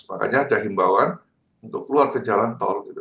makanya ada himbawan untuk keluar ke jalan tol gitu